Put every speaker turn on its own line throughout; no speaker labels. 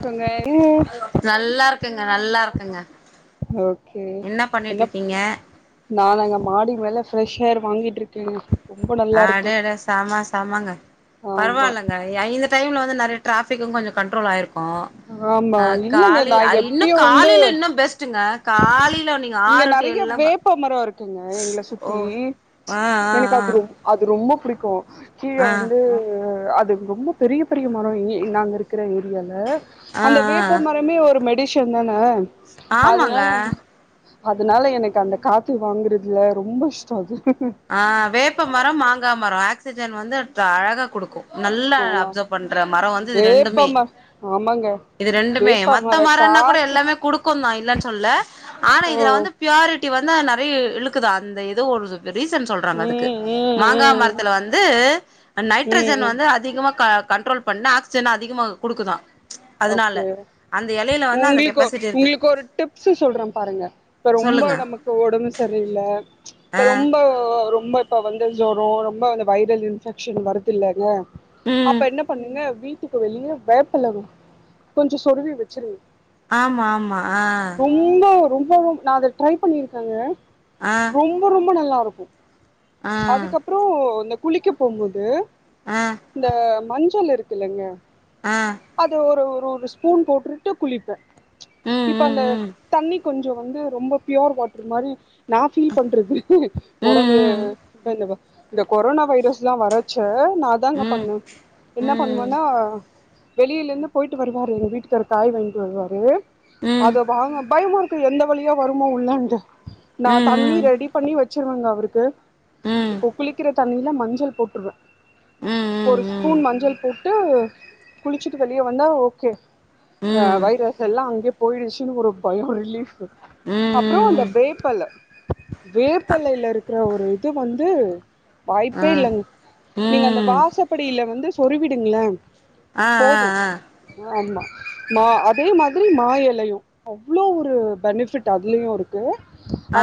க்கங்க
நல்லாருக்குங்க நல்லாருக்குங்க
ஓகே
என்ன பண்ணிட்டு இருக்கீங்க
நானாங்க மாடி மேல பிரெஷ் ஏர் வாங்கிட்டு இருக்கேங்க ரொம்ப நல்லா இருக்கு
அடடே செம செமங்க
ஆமா
பரவாயில்லங்க இந்த டைம்ல வந்து நெறைய டிராஃபிக்கு கொஞ்ச கண்ட்ரோல் ஆயிருக்கு
ஆமா
ஆ
இல்லங்க
காலி
நா
இன்னு
எப்பயு வந்து
காலையில இன்னு பெஸ்ட்டுங்க காலையில நீங்க
இங்க
ஆறு டு
நெறைய
ஏழு
வேப்ப மரோ இருக்குங்க எங்கள சுத்தி
ஆ ஆ
எனக்கு
ஆ
அது ரொம்ப அது ரொம்ப புடிக்கு கீழ
ஆ
வந்து அது ரொம்ப பெரிய பெரிய மரோ நாங்க இருக்கிற ஏரியால
ஆ
அந்த வேப்ப மரமே ஒரு மெடிஷன் தானே
ஆ ஆமாங்க
அதனால என்ன அதனால எனக்கு அந்த காத்து வாங்குறதுல ரொம்ப இஷ்ட அது
ஆ வேப்ப மரோ மாங்கா மரோ ஆக்சிஜன் வந்து அழகாக குடுக்கு நல்லா
ஆமா
அப்சர்வ் பண்ற மரோ வந்து இது ரெண்டுமே
வேப்பமர ஆமாங்க
இது ரெண்டுமே மத்த
வேப்பமர
மரோன்னா கூட
காத்து
எல்லாமே குடுக் க்குந்தா இல்லன்னு சொல்ல ஆனா
ஓ
இதுல வந்து பியூரி வந்து நெறைய இழுக்குது அந்த இது ஒரு ரீசன் சொல்றாங்க அதுக்கு
ம் ம்
மாங்கா
ம்
மரத்துல வந்து நைட்ரஜன்
ம்
வந்து அதிகமா கண்ட்ரோல் பண்ணா ஆக்சிஜன் அதிகமா குடுக்குதா
ஓகே
அதனால அந்த எலையில வந்து அந்த
உங்களுக்கு
கெப்பாசிட்டி இருக்கு
உங்களுக்கு ஒரு டிப்ஸ்சு சொல்றே பாருங்க இப்ப ரொம்ப
சொல்லுங்க
நமக்கு இப்ப ஒடம்பு சரியில்ல
ஆ
இப்ப ரொம்ப ரொம்ப இப்போ வந்து ஜொறோ ரொம்ப அந்த வைரல் இன்ஃபெக்ஷன் வருது இல்லங்க அப்ப
ம்
என்ன பண்ணுங்க வீட்டுக்கு வெளிய வேப்பல கொஞ்ச சொருவி வெச்சிருங்க
ஆமா ஆமா ஆ
இல்ல ரொம்ப ரொம்ப ரொ நா அத ட்ரை பண்ணிருக்கேங்க
ஆ
ரொம்ப ரொம்ப நல்லா இருக்கு
ஆ
அதுக்கப்றோ இந்த குளிக்க போம்போது
ஆ
இந்த மஞ்சள் இருக்குல்லங்க
ஆ
அது ஒரு ஒரு ஒரு ஸ்பூன் போட்டுட்டு குளிப்பே
ம்
இப்ப
ம்
அந்த
ம்
தண்ணிக் கொஞ்சோ வந்து ரொம்ப பியூர் வாட்டர் மாறி நா ஃபீல் பண்றது ஒடம்பு
ம்
[inaudible] இந்த கொரோனா வைரஸ்லா வரச்ச நா அதாங்க
ம்
பண்ணே என்ன
ம் ம்
பண்ணுவேன்னா வெளில இருந்து போயிட்டு வருவாரு எங்க வீட்டுக்காரு காய் வாங்கிட்டு வருவாரு
ம்
அத வாங்க பயமா இருக் எந்த வழியா வருமோ உள்ளண்டு
ம்
நா தண்ணி
ம்
ரெடி பண்ணி வெச்சிருவேங்க அவருக்கு
ம்
இப்போ குளிக்கிற தண்ணில மஞ்சள் போட்டுருவே
ம் ம்
ஒரு
ம்
ஸ்பூன் மஞ்சள் போட் டு குளிச்சுட்டு வெளிய வந்தா ஓகே
ம்
வைரஸ் யெல்லா அங்கே போயிடுச்சுன் ஒரு பயோ ரிலீப்
ம்
அப்புறோ
ம்
அந்த
ம்
வேப்பல வேப்பல்லேல இருக்கற ஒரு இது வந்து
ஆ
வாய்ப்பே இல்லங்க நீங்க அந்த வாசப்படில வந்து சொருவிடுங்கள
ஆ
போது ஆமா மா அதே மாதிரி மா எலையு அவ்ளோ ஒரு பெனிஃபிட் அதுலயுருக் க்கு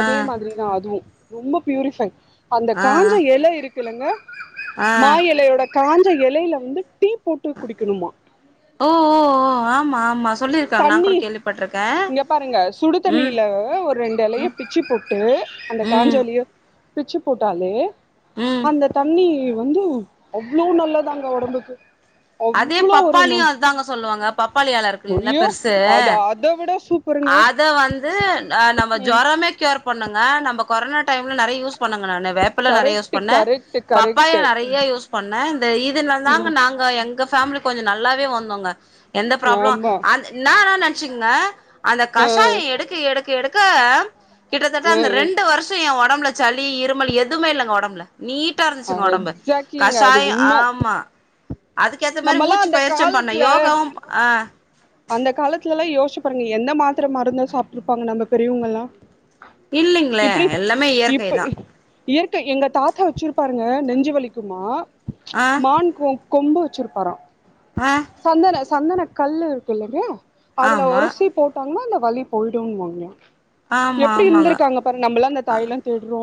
ஆ ஆ
மாரி தா அதுவு ரொம்ப பியூரிபை அந்த
ஆ
காஞ்ச எல இருக் கிளுங்க
ஆ
மா எலையோட காஞ்ச எலையில வந்து டீ போட்டு குடிக்கணும்மா
ஓ ஓ ஓ ஆமா ஆமா சொல்லிருக்காங்க நா கொட
தண்ணி
கேள்விப்பட்ருக்க
இங்க பாருங்க சுடு தண்ணியில ஒரு ரெண்டு லைய
ம்
பிச்சு போட்டு அந்த
ம்
காஞ்சோலிய பிச்சு போட்டாலே
ம்
அந்த தண்ணி வந்து அவ்ளோ நல்லதாங்க ஒடம்புக்கு
அதே
அவ்ளோ ஒரு ந
பப்பாளியு அதுதாங்க சொல்லுவாங்க பப்பாளி எல இருக்கு இல்லீங்களா
ஐயோ
பெருசு
அது அத விட சூப்பருங்க
அத வந்து நா நம்ம
ம்
ஜோரமேக் கேர் பண்ணுங்க நம்ம கொரோனா டைம்ல நறைய யூஸ் பண்ணுங்க நானு வேப் இப்பெல்லா நறைய யூஸ்
கரெக்ட்
பண்ண
கரெக்ட்
பப்பாயா
கரெக்ட்
நறைய யூஸ் பண்ண இந்த இதுல தாங்க
ம்
நாங் கா எங்க பேமிலி கொஞ்சோ நல்லாவே வந்தோங்க எந்த ப்ராப்ளோ
ஆமா
அது நானா நனைச்சிக்கங்க அந்த
ஆ
கஷாயோ எடுக்க எடுக்க எடுக்க கிட்டத்தட்ட
ஆ
அந்த ரெண்டு வர்ஷோ ய ஒடம்புல ஜளி இருமரு எதுமே இல்லங்க ஒடம்புல நீட்டா
ஆ
இருந்துச்சுங் ஒடம்பு
எக்ஸாக்ட்லிங்க அது
கஷாயோ
உண்ம
ஆமா அதுக்கேத்த மாரி
நம்மல்லா
மூச்சு
அந்த
பயிற்சி பண்ணே
காலத்துல
யோகாவு ஆ
அந்த காலத்துல எல்லா யோசிச்சுப் பாருங்க எந்த மாத்திர மருந்தை சாப்பிட்டு இருப்பாங்க நம்ம பெரியவங்க எல்லா
இல்லைங்ளே எல்லாமே இயற்கை
இப்ப
தா
இயற்கை எங்க தாத்தா வச்சிருப்பாருங்க நெஞ்சுவலிக்குமா
ஆ
மான்கொ கொம்பு வச்சுருப்பாரா
ஆ
சந்தன சந்தன கல்லு இருக்கு இல்லைங்க அதுல
ஆமா
ஒரசி போட் பண்ண அந்த வலி போயிடுன்னாங்க
ஆமா
எப்டி
ஆமாங்க
இருந்திருக்காங்க நம்மல்லா அ தாய்ல தொடுறோ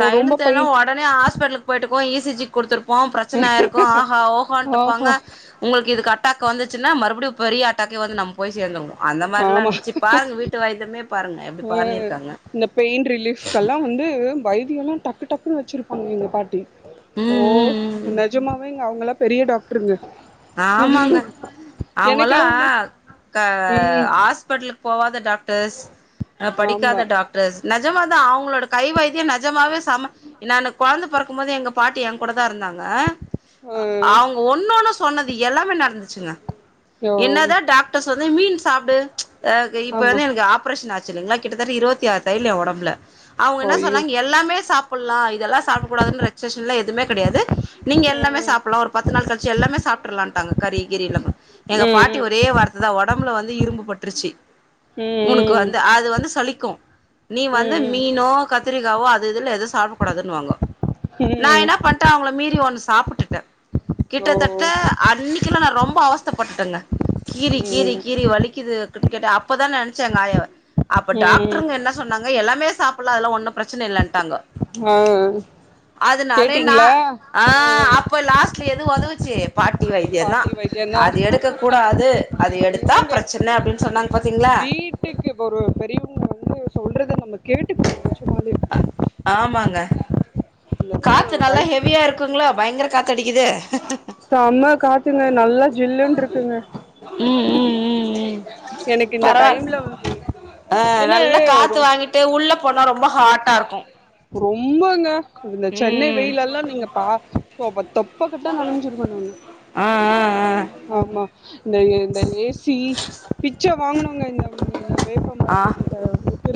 தைலதேனு ஒடனே ஹாஸ்பிட்டலு போயிட்டோக்கோ இ சி ஜிக் குடுத்துருப்போம் பிரச்சனயிருக்கும் ஆஹா ஓஹோட்ருப்பாங்க
ஆஹா
ஒங்களுக்கு இது அட்டாக் வந்துச்சுன்னா மறுபடியும் பெரிய அட்டாக்கே வரு நம்ம போய் சேர்ந்துருவோம் அந்த மார்ல்லா
ஆமா
இருந்துச்சு பாருங்க வீட்டு வய்தயமே பாருங்க எப்டி பர்ணிருக்காங்க
இந்த பெயின் ரிலீஃப்கெல்லா வந்து வைத்தியல்லா டக்கு டக்குன்னனு வச்சருப்பாங்க எங்க பாட்டி ஓ
ம் ம் ம்
நஜமாவே இங்க அவங்கலா பெரிய டாக்ட்ருங்க
ஆமாங்க அவங்கல்லா
வந்து
க
ம்
ஹாஸ்பிட்டலுக்கு போவாத டாக்டர்ஸ்
ஆமா
படிக்காத டாக் டர்ஸ் நஜமாதா அவங்களோட கை வைத்தியோம் நஜமாவே சம நானு கொழந்த பறக் போது எங்க பாட்டி யங்கொடதாருந்தாங்க
ஆ
அவ்ங்க ஒன்னொன்னு சொன்னது எல்லாமே நடந்துச்சுங்க
ஓ
என்னதா டாக்டர்ஸ் வந்து மீன் சாப்பிடு அஹ் இப்ப
ஆமா
வந்து எனக்கு ஆப்ரேஷன் ஆச்சு இல்லங்களா கிட்டத்தட்ட இருபத்தி ஆறுத் தயய்லு ய ஒடம்புல அவங்க என்ன
ஐயோ
சொல்றாங்க எல்லாமே சாப்பிடலா இதெல்லா சாப்பிட கூடாதுன்னு ரெசேஷன் எல்லா எதுமே கிடையாது நீங்க எல்லாமே
ம்
சாப்பிடலா ஒரு பத்து நாள் கழிச்சு எல்லாமே சாப்பிடறாலான்ட்டாங்க கறி கிறி இல்லாம எங்க
ம்
பாட்டி
ம்
ஒரு தே வார்த்ததா ஒடம்புல இரும்பு பட்ருச்சி
ம்
உனக்கு
ம்
வந்து அது வந்து சலிக்கு நீ வந்து
ம் ம்
மீனோ கத்திரிக்காவோ அது இதுனு எது சாப்ட கூடாதுன்வாங்கோ நா
ம் ம்
என்ன பண்ணிட்டே அவங்கள மீறி ஒன்னு சாப்பிட்டுட்டே கிட்டத்தட் ட
ஓ
அன்னிகெல்லா நா ரொம்ப அவச்தப்பட்டெங்க கீறி கீறி
ம்
கீறி வலிக்குது கேட்ட அப்பதா நனச்ச ய ஆயாவ அப்ப
ம்
டாக்டருங்க என்ன சொன்னாங்க எல்லாமே சாப்புலா அதெல்ல ஒன்னு பிரச்சன இல்லன்ட்டாங்கோ
ஆ
அதனாலே நா
கேட்டீங்களா
ஆ அப்ப லாஸ்ட்ல எது உதவுச்சி பாட்டி வைத்தியந்தா
பாட்டி வைத்தியந்தா
அது எடுக்க கூடாது அது எடுத்தா
உண்மைங்க
பிரச்சன அப்டின்னு சொன்னாங்க பாத்தீங்ளா
க்கு இப்ப ஒரு பெரியவங்க வந்து சொல்றத நம்ம கேட்டுக்கனு நெசமாலோ
ஆமாங்க காத்து நல்லா
வைத்திய
ஹெவியா இருக்குங்களா பயங்கர காத்து அடிக்குது
செம்ம காத்துங்க நல்லா ஜில்லுனு இருக்குங்க
ம் ம் ம் ம்
எனக்கு இந்த
பரவால்
டைம்ல வந்
ஆ
ஏன்னா
நல்லா காத்து
ரொ
வாங்கிட் இப்ப உள்ள போனா ரொம்ப ஹாட்டா இருக்கு
ரொம்பங்க இந்த சென்னை
ம்
வெயில் எல்லா நீங்க பா சோ அப்ப தொப்பக்கட்ட நனஞ்சிருவ நானு
ஆ ஆ ஆ
ஆமா இந்த இந்த ஏ சி பிச்ச வாங்கனுங்க இந்த வேப்பம்
ஆ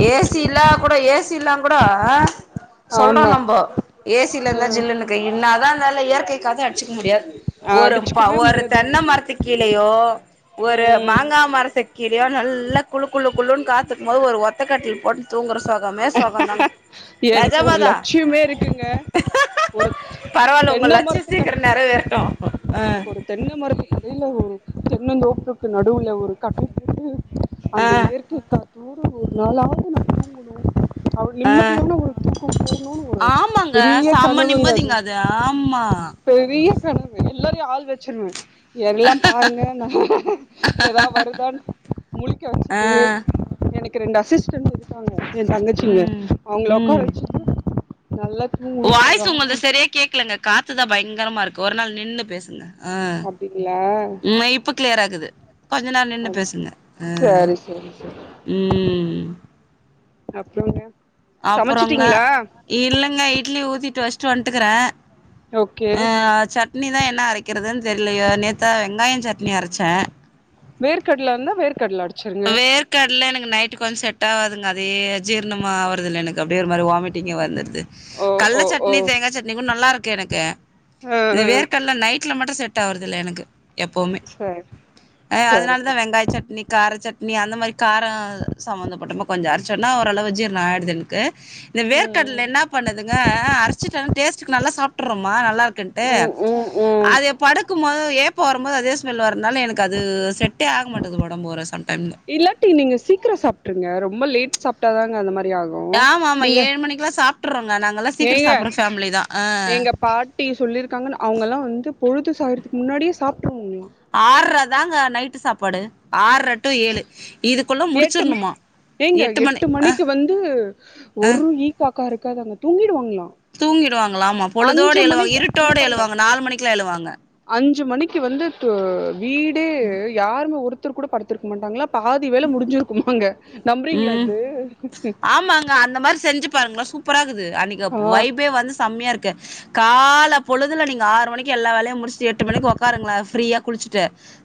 ஏ சி இல்லா கூட ஏசி இல்லாங் கூட சொல்றோ
ஆமா
நம்போ ஏ சில
அ
இருந்தா ஜில்லுன்னுக்கு இன்னாதா இருந்தாலு இயற்கை காத்த அடிச்சுக்க முடியாது ஒரு ப
அடிச்சுக்கவே
ஒரு
முடியாதுங்க
தென்னை மரத்துக் கீழயோ ஒரு
ம்
மாங்கா மரத்துக் கீழயோ நல்லா குளு குளு குளுன்னு காத்துக்கும் போது ஒரு ஒத்தக் கட்டில் போட்டு தூங்குற சொகமே சொகந்தாங்க
எனக்கு ஒரு
நெஜமாதா
லட்சியமே இருக்குங்க ஒரு
பரவால்ல உங்க
தென்ன
லட்சியோ
மரத்துக் கட்
சீக்கிரோ நெறைவேறட்டு ஆ
தென்னமரத்துக் அடியில ஒரு தென்னந்தோப்புக்கு நடுவுல ஒரு கட்டில் போட்டு
ஆ
அந்த இயற்கைக் காத்தோடு ஒரு நாளாவது அவ்ளோ
ஆ
நிம்மதியான ஒரு தூக்கம் போடனும்னு ஒரு
ஆமாங்க
பெரிய
செம்ம
கனவுங்க அது
நிம்மதிங்க ஆமா
பெரிய கனவு எல்லாரையு ஆள் வச்சிருவ எல்லா பாருங்க ஏதா வருதான் முழிக்க வச்சிட்டு
ஆ
எனக்கு ரெண்டு அசிஸ்டன் இரு க்காங்க என் தங்கச்சிங்க
ம்
அவுங்கள உக்கார
ம்
வச்சுட்டு நல்லா தூங்கணுன் ஒரு
வாய்ஸ்
ஆச
உங்கள்து சரியா கேக்கலங்க காத்துதா பயங்கரமா இருக்கு ஒரு நாள் நின்னு பேசுங்க ஆ
அப்டிங்களா
மெய்ப் இப்போ கிளியரா இக்குது கொஞ்ச நேர நின்னு
அது
பேசுங்க ஆ
சரி சரி சரி
ம்
அப்புறோங்க
அப்புறோங்க இல்லங்க இட்லி ஊத்திட்டு வச்ட்டு வந்ட்டுக்கற
ஓகே
ஆ சட் னி தா என்ன அரைக்கிறதுன் தெரிலயோ நேத்து தா வெங்காய சட்னி அரைச்ச
வேர்க்கடல இருந்தா வேர்க்கடல அடி
வேர்க் கடல எனக்கு நைட்டு் கொஞ்ச செட்டாகுதுங்க அதே ஜீர்ணமாவறதில்ல எனக்கு அப்டியே ஒரு மாரி வாமிட்டிங்கா வந்துருது
ஓ
கல்ல
ஓ ஓ
சட்னி தேங்கா சட்னி கூட நல்லா இருக்கு எனக்கு
ஆ ஆ
வேர்கடல நைட்ல மட்டும் செட் ஆவுறதில்ல எனக்கு எப்போவுமே
சரி
ஆ
சரி
அதனாலதா
சரி
வெங்காய சட்னி கார சட் னி அந்த மாரி காரோ சம்பந்தப்பட்டாம கொஞ்ச அரைச்சோனா ஓரளவு ஜீர்ண ஆயிடுது எனக்கு இந்த
ம்
வேர்க்கடல என்ன பண்ணுதுங்க அரச்சிட்டானா டேஸ்டுக்கு நல்லா சாப்ட்றோமா நல்லா இருக்குன்ட்டு
ம் ம் ம்
படுக்கும்போது ஏப்பம் வரும்போது அதே ஸ்மெல் வரனால எனக்கு அது செட்டே ஆக மாட்டுது ஒடம்பு ஒரு சம்டைம்
இல்லாட்டி நீங்க சீக்கிரம் சாப்ட்டுருங்க ரொம்ப லேட் சாப்ட்டா தாங்க அந்த மாரி ஆகும்
ஆமா ஆமா
நீங்க
ஏழு மணிக்குலா சாப்ட்றோங்க நாங்கல்லா சீக்கிர
ஏங்க
சாப்புட்ற ஃபேமிலி தா ஆ
எங்க பாட் டி சொல்லியிருக்காங்கன்னு அவுங்கல்லா வந்து பொழுது சாகறதுக்கு முன்னாடியே சாப்ட்டுவாங்களா
ஆற்ர தாங்க நைட்டு சாப்பாடு ஆற்ர டு ஏழு இதுக்குள்ள
எட்டு ம
முடிச்சிர்ணுமா
ஏங்க
மணி
எட்டு
அ
மணிக்கு வந்து
அ
ஒரு ஈ காக்கா இருக்காதா அங்க தூங்கிடுவாங்களா
தூங்கிடுவாங்களா ஆமா பொழுதோட
அஞ்சு
எழுவாங்க
மணிக்கு இங்க
இருட்டோட
பாருங்க
எழுவாங்க நாலு மணிக்குலா எழுவாங்க
அஞ்சு மணிக்கு வந்துட்டு வீடே யாருமே ஒருத்தர் கூட படுத்திருக்க மாட்டாங்ளா பாதி வேல முடிஞ்சிருக்குமாங்க நம்புறீங்ளா
ம்
இது
ஆமாங்க அந்த மாரி செஞ்சு பாருங்களே சூப்பரா இக்குது அன்னைக்கு
ஆ
வைபே வந்து செம்மையா இருக்கு கால பொழுதுல நீங்க ஆறு மணிக்கு எல்லா வேலையு முடிச்ட்டு எட்டு மணிக்கு உக்காருங்ளே ஃப்ரீயா குளிச்சுட்டு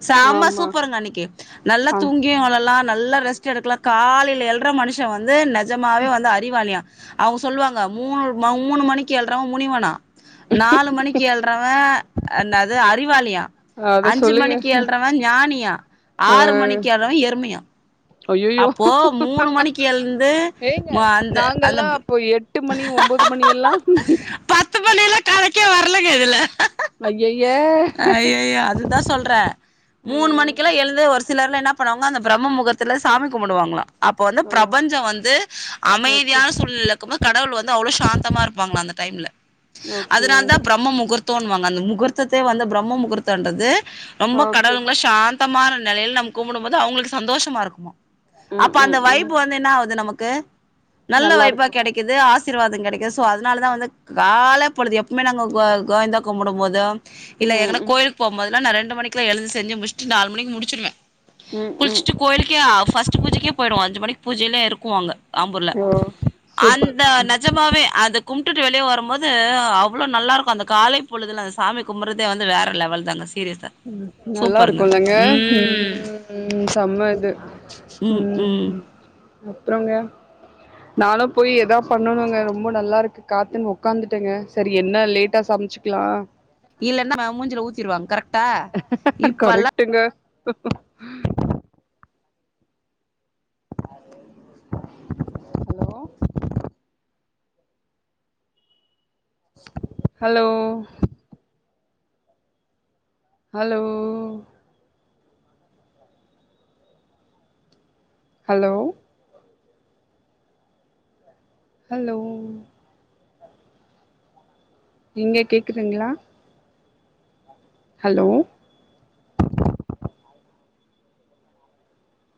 செம
ஆமா
சூப்பருங்க அன்னிக்கு நல்லா
ஆ
தூங்கியே ல்லா நல்லா ரெஸ்ட் எடுக்லா காலைல எழுற மனுஷ வந்து நெஜமாவே வந்து ஆ அறிவாளியா அவங்க சொல்லுவாங்க மூணு மூணு மணிக்கு எழுறவ முனிவனா நாலு மணிக்கு எழுறவ என்னது அறிவாளியா
அத
அஞ்சு
சொல்லி
மணிக்கு எழுறவே ஞானியா ஆறு மணிக்கு எழுறவே எருமியா
அய்யோ
மணிக்கு எழுந்து
ஏங்க
அந்த அந்த
நாங்கல்லா அப்ப எட் எட்டு மணி ஒம்போது மணியெல்லா
பத்து மணிலா கணக்கே வரலங்க இதுல
ஐயைய
அய்யய்ய அதுதா சொல்றே
ஆ
மூணு மணிக்குலா எழுந்து ஒரு சிலர்லா என்ன பண்ணுவாங்க அந்த பிரம்மமுகூர்த்தில சாமி கும்பிடுவாங்களா அப்போ வந்து
ஓ
பிரபஞ்சோ வந்து
ஓகே
அமைதியான சூழ்நிலைல இருக்கும்போது கடவுள் வந்து அவ்ளவு சாந்தமா இருப்பாங்ளா அந்த டைம்ல
ஓகே
அதனால தா பிரம்ம முகூர்த் தோணுவாங்க அந்த முகூர்த்தத்தே வந்து பிரம்ம முகூர்த்தன்றது ரொம்ப
ஓகே
கடவுள்களா சாந் தமான நிலையில நம்ம கும்பிடும்ப போது அவங்களுக்கு சந்தோஷமா இருக்குமா
ம்
அப்ப அந்த
ம்
வைப்பு
ம்
வந்து என்ன ஆகுது நமக்கு நல்ல
நல்லா
வைபா
இருக்கு
கிடைக் க்குது ஆசீர்வாதோ கிடைக்குது சோ அதனாலதா வந்து காலப்பொழுது எப்பவுமே நாங்க கோய்ந்தா கும்பிடும் போது இல்ல
ம்
எதுனா
ம்
கோயிலுக் போமோதெல்லா நா ரெண்டு மணிக்குல்லா எழுந்து செஞ்சு முடிச்சட்டு நாலு மணிக்கு முடிச்சிடுவே
ம் ம்
குளிச்சுட்டு கோயிலுக்கே ஆ ஃபஸ்ட் பூஜைக்கே போயிடுவோ அஞ்சு மணிக்கு பூஜையில்லா இருக்குவாங்க ஆம்பூர்ல
ஓ சூப்பர்
அந்த
ம்
நெஜமாவே அதுக் கும்டுட்டு வெளிய வரும்போது அவ்ளோ நல்லாருக்கு அந்த கால பொழுதில அந்த சாமி கும்புறதே வந்து வேறு லெவல் தாங்க சீரியஸா
நல்லா இருக்குல்லங்க ம் ம் செம இது ம் அப்புறங்க நாலா போய் எதா பண்ணணுங்க ரொம்ப நல்லா இருக்கு காத்துன்னு உக்காந்துட்டேங்க சரி என்ன லேட்டா சமச்சு க்களா
இல்லன்னா மேம் மூஞ்சில ஊத்திருவாங்க கரெக்
கரெக்டுங்க hello hello hello hello hello ஏங்க கேக்குதுங்ளா ஹலோ